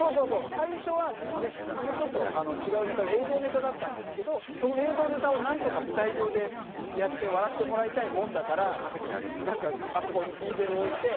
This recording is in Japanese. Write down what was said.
最初は別のちょっと違うネタで映像ネタだったんですけどその映像ネタをなんとか舞台上でやって笑ってもらいたいもんだからなんかあそこにイーゼルを置いて。